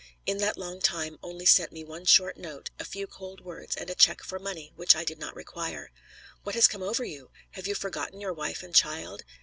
In that long time only sent me one short note a few cold words and a check for money, which I did not require. What has come over you? Have you forgotten your wife and child?